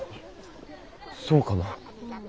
そうかな？